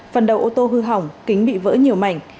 phần đầu ô tô hư hỏng kính bị vỡ nhiều mảnh